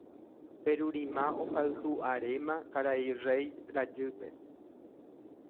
Perurima ohayhu aréma karai rey rajýpe.